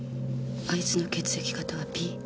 あいつの血液型はＢ。